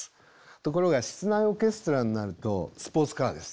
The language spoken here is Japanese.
ところが室内オーケストラになるとスポーツカーです。